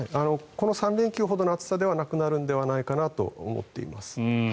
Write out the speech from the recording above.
この３連休ほどの暑さではなくなるのではないかなと思っています。